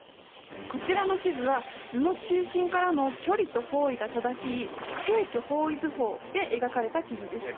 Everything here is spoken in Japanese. こちらの地図は図の中心からの距離と方位が正しい正距方位図法で描かれた地図です。